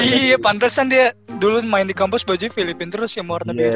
oh iya iya pantesan dia dulu main di kampus baju filipina terus ya mau warna biru itu